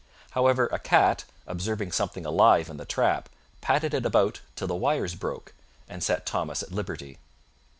However, a cat, observing something alive in the trap, patted it about till the wires broke, and set Thomas at liberty.